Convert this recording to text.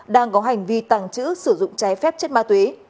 đang có hành vi tàng trữ sử dụng trái phép chất ma túy